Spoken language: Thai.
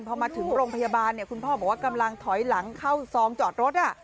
พอมาถึงโรงพยาบาลคุณพ่อบอกว่ากำลังถอยหลังเข้าซองจอดรถ